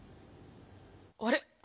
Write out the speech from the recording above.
あれ？